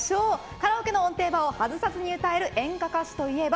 カラオケの音程バーを外さずに歌える演歌歌手といえば？